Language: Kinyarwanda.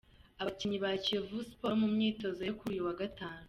Abakinnyi ba Kiyovu Sport mu myitozo yo kuri uyu wa Gatanu.